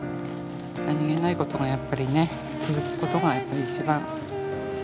何気ないことがやっぱりね続くことがやっぱり一番幸せだと思うので。